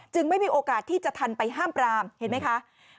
ไม่มีโอกาสที่จะทันไปห้ามปรามเห็นไหมคะ